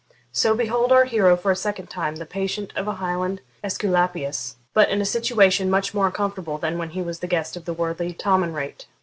So behold our hero for a second time the patient of a Highland Esculapius, but in a situation much more uncomfortable than when he was the guest of the worthy Tomanrait.